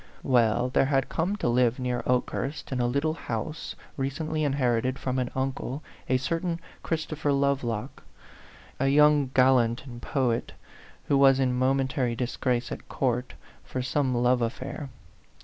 Well, there had come to live near Okehurst, in a little house recently inherited from an uncle, a certain Christopher Lovelock, a young gallant and poet, who was in mo mentary disgrace at court for some love af fair.